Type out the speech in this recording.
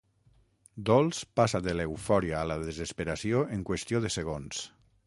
Dols passa de l'eufòria a la desesperació en qüestió de segons.